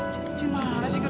cincin mana sih